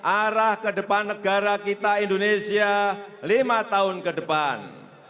arah ke depan negara kita indonesia lima tahun ke depan